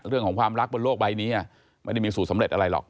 เรื่องของความรักบนโลกใบนี้ไม่ได้มีสูตรสำเร็จอะไรหรอก